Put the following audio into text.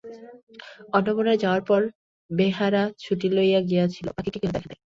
অন্নপূর্ণার যাওয়ার পর বেহারা ছুটি লইয়া গিয়াছিল, পাখিকে কেহ দেখে নাই।